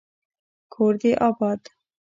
کور دي اباد